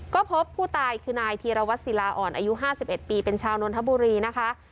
ก็พบผู้ตายคือนายธีรวัตรศิลาอ่อนอายุ๕๑ปีเป็นชาวนนทบุรีนะคะ